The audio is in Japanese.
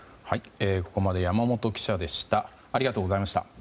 ここまで山本記者でした。